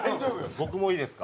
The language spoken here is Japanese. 僕もいいですか？